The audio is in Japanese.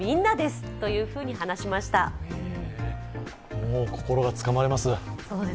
もう心がつかまれます。